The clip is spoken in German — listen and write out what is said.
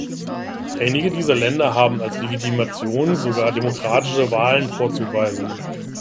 Einige dieser Länder haben als Legitimation sogar demokratische Wahlen vorzuweisen.